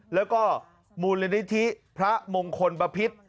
แล้วก็มูลนิธิพระมงคลบพิษ